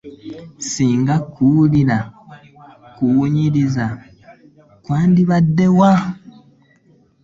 Singa kuwulira, okuwunyiriza kwandibadde wa?